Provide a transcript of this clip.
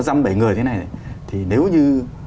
dăm bảy người thế này thì nếu như